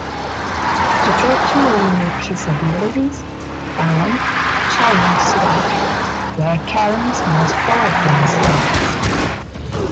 To try to redeem his abilities, Bane challenges Sirak, the Academy's most powerful student.